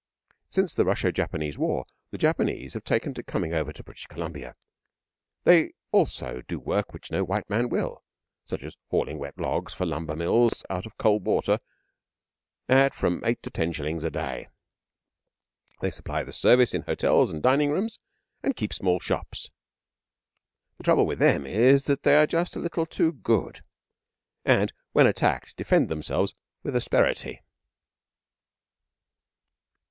Since the Russo Japanese War the Japanese have taken to coming over to British Columbia. They also do work which no white man will; such as hauling wet logs for lumber mills out of cold water at from eight to ten shillings a day. They supply the service in hotels and dining rooms and keep small shops. The trouble with them is that they are just a little too good, and when attacked defend themselves with asperity.